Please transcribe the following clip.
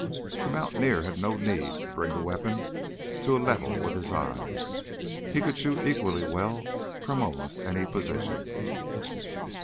The mountaineer had no need to bring the weapon to a level with his eyes. He could shoot equally well from almost any position.